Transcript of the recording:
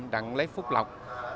đặng lấy phúc lọc